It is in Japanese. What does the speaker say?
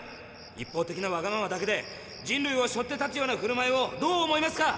一方的なワガママだけで人類をしょって立つようなふるまいをどう思いますか！